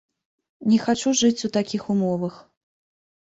Не хачу жыць у такіх умовах.